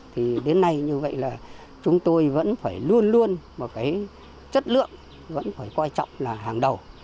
thì đến nay như vậy là chúng tôi vẫn phải luôn luôn một cái chất lượng vẫn phải quan trọng là hàng đầu